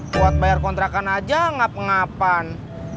buat bayar kontrakan aja ngap ngapan